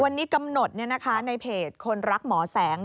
วันนี้กำหนดในเพจคนรักหมอแสง